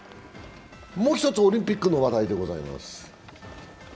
もう１つオリンピックの話題でございます。